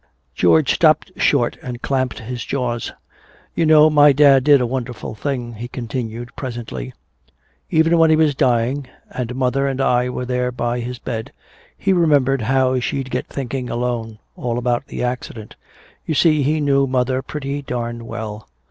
George stopped short and clamped his jaws. "You know, my dad did a wonderful thing," he continued presently. "Even when he was dying, and mother and I were there by his bed, he remembered how she'd get thinking alone all about the accident. You see he knew mother pretty darned well.